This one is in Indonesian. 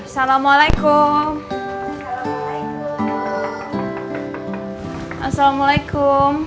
saya sudahplus besarin dulu